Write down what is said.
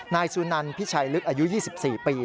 นายสุนันพิชัยลึกอายุ๒๔ปี